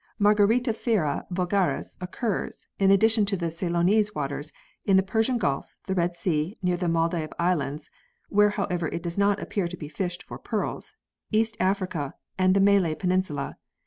Margaritifera vulgaris occurs, in addition to the Ceylonese waters, in the Persian Gulf, the Red Sea, near the Maldive Islands (where however it does not appear to be fished for pearls), East Africa, and the Malay Peninsula.